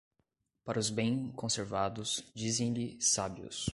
Para os bem conservados dizem-lhe sábios.